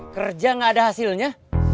kerja nggak ada hasilnya